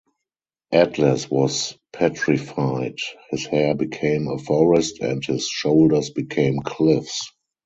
Atlas was petrified; his hair became a forest and his shoulders became cliffs.